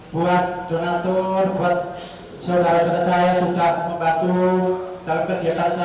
buat donatur buat saudara saudara saya yang sudah membantu dalam kegiatan saya